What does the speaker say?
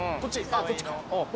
あっこっちか。